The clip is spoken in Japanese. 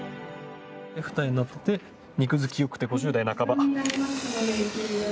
二重になっていて肉付きがよくて５０代半ば。